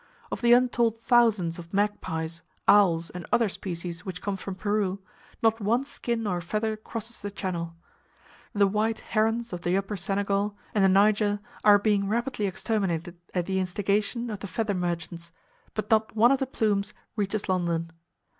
Of the untold thousands of 'magpies,' owls, and other species which come from Peru, not one skin or feather crosses the Channel. The white herons of the Upper Senegal and the Niger are being rapidly exterminated at the instigation of the feather merchants, but not one of the plumes reaches London.